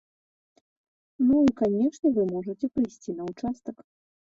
Ну і, канешне, вы можаце прыйсці на ўчастак.